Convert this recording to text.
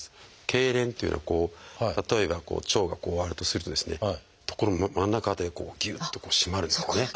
けいれんっていうのは例えばこう腸がこうあるとするとですね真ん中辺りでこうぎゅっと締まるんですよね。